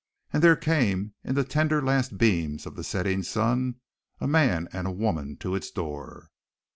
And there came, in the tender last beams of the setting sun, a man and woman to its door.